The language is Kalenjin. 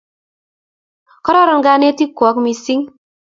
Kororon kanetik kwok missing'